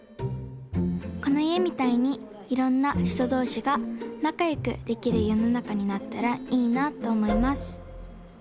このいえみたいにいろんなひとどうしがなかよくできるよのなかになったらいいなとおもいます。